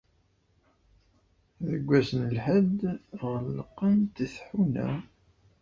Deg wass n lḥedd, ɣellqent tḥuna.